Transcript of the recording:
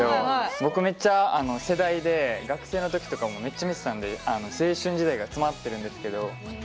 僕めっちゃ世代で学生のときとかめっちゃ見てたんで青春時代が詰まってるんですけど。